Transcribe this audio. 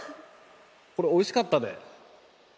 これおいしかったで。